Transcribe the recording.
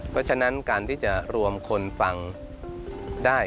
เพราะฉะนั้นการที่จะรวมคนฟังได้